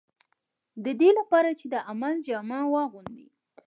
د دې لپاره چې د عمل جامه واغوندي.